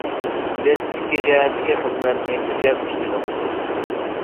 بىز ئىككى جەھەتتىكى خىزمەتنى كۈچەپ ئىشلىدۇق.